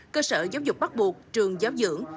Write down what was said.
cơ sở giáo dục bắt buộc trường giáo dưỡng